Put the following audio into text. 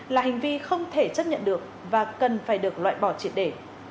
là hành vi không thể chấp nhận được và cần phải được loại bỏ triệt để